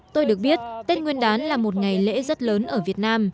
tôi được biết tết nguyên đán là một ngày lễ rất lớn ở việt nam